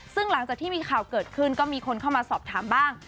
ซึ่งหลังจากที่มีข่าวเกิดขึ้นก็มีคนเข้ามาสอบถามบ้าง